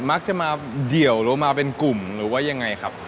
มักจะมาเดี่ยวหรือมาเป็นกลุ่มหรือว่ายังไงครับ